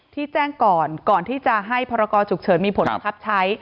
ที่แจ้งก่อนก่อนที่จะให้พรกรฉุกเฉินมีผลบังคับใช้